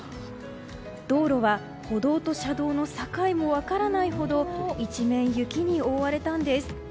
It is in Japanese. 道路は歩道と車道の境も分からないほど一面雪に覆われたんです。